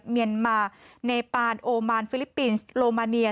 เมียนมาเนปานโอมานฟิลิปปินส์โลมาเนีย